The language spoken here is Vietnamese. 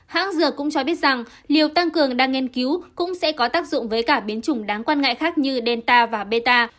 hãng dược cũng cho biết rằng liều tăng cường đang nghiên cứu cũng sẽ có tác dụng với cả biến chủng đáng quan ngại khác như delta và meta